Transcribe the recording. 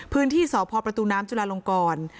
พื้นที่นี่ส่อพประตูน้ำจุฬลงกร